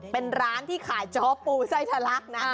เป็นร้านที่ขายโจ๊กปูไส้ทะลักนะ